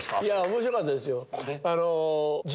面白かったですよ。